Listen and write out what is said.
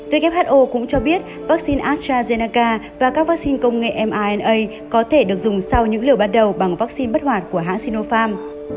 who cũng cho biết vaccine astrazennaca và các vaccine công nghệ mna có thể được dùng sau những liều ban đầu bằng vaccine bất hoạt của hãng sinopharm